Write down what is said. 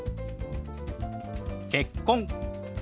「結婚」。